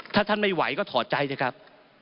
ถ้าท่านไม่ไหวก็ถอดใจเถอะครับ